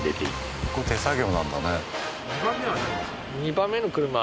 これ手作業なんだね。